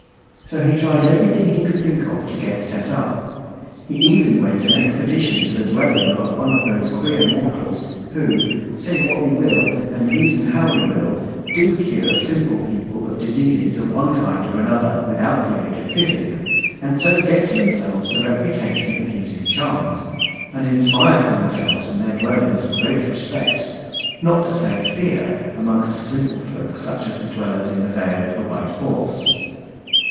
So he tried everything he could think of to get set up. He even went an expedition to the dwelling of one of those queer mortals, who say what we will, and reason how we will do cure simple people of diseases of one kind or another without the aid of physic, and so get to themselves the reputation of using charms, and inspire for themselves and their dwellings great respect, not to say fear, amongst a simple folk such as the dwellers in the Vale of White Horse.